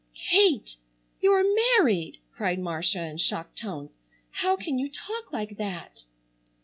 "Kate, you're married!" cried Marcia in shocked tones. "How can you talk like that?"